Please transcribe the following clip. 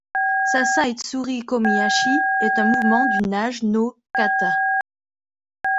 Sasae-Tsuri-Komi-Ashi est un mouvement du Nage-no-kata.